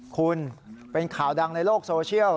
คุณเป็นข่าวดังในโลกโซเชียล